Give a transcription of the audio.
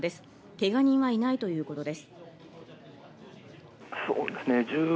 けが人はいないということです。